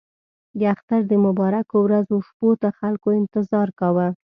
د اختر د مبارکو ورځو او شپو ته خلکو انتظار کاوه.